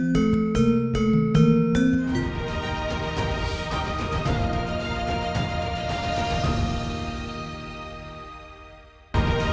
semoga berhasil menjadikan kain batik yang terbaik